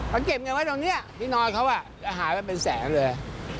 เขาเก็บเงินไว้ตรงนี้ที่นอนเขาจะหายไปเป็นแสนเลย